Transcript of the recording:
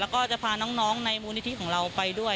แล้วก็จะพาน้องในมูลนิธิของเราไปด้วย